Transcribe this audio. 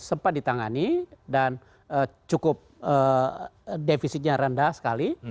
sempat ditangani dan cukup defisitnya rendah sekali